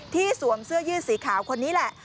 สวมเสื้อยืดสีขาวคนนี้แหละ